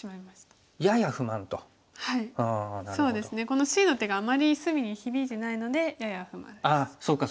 このＣの手があまり隅に響いてないのでやや不満です。